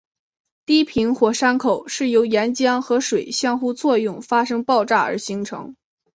低平火山口是由岩浆和水相互作用发生爆炸而形成。